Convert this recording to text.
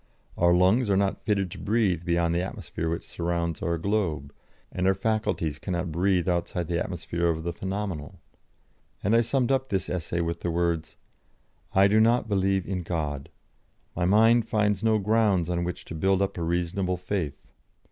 Our lungs are not fitted to breathe beyond the atmosphere which surrounds our globe, and our faculties cannot breathe outside the atmosphere of the phenomenal." And I summed up this essay with the words: "I do not believe in God. My mind finds no grounds on which to build up a reasonable faith.